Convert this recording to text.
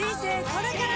これから！